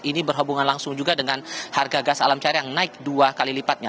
ini berhubungan langsung juga dengan harga gas alam cair yang naik dua kali lipatnya